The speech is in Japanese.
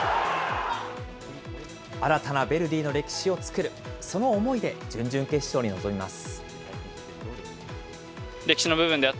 新たなヴェルディの歴史を作る、その思いで準々決勝に臨みます。